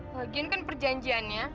lagian kan perjanjiannya